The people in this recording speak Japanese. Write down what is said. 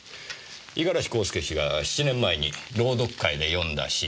五十嵐孝介氏が７年前に朗読会で詠んだ詩。